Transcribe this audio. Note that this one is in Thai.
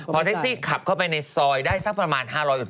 พอแท็กซี่ขับเข้าไปในซอยได้สักประมาณ๕๐๐